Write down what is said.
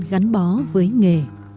gắn bó với nghề